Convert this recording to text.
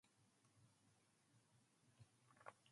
The simplest pitch space model is the real line.